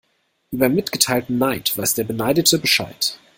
Über mitgeteilten Neid weiß der Beneidete Bescheid.